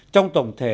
trong tổng thể